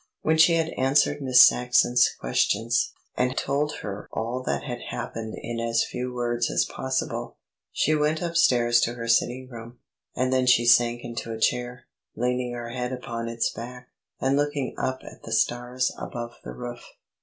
When she had answered Miss Saxon's questions, and told her all that had happened in as few words as possible, she went upstairs to her sitting room; and then she sank into a chair, leaning her head upon its back, and looking up at the stars above the roof.